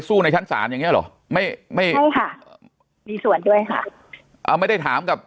สู้ในชั้นศาลอย่างนี้หรอไม่มีส่วนด้วยค่ะไม่ได้ถามกับ